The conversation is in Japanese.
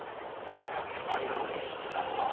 やっぱり不倫してたのか。